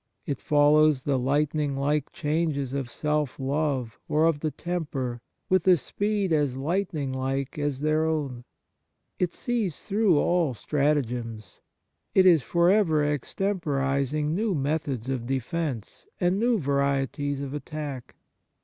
It follows the lightning like changes of self love or of the temper with a speed as lightning like as their own. It sees through all stratagems. It is for ever extemporizing new methods of defence and new varieties of attack.